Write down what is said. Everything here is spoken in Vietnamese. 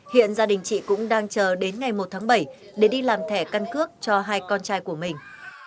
hiện gia đình chị cũng đang chờ đến ngày một tháng bảy để đi làm thẻ căn cước cho hai con trai của mình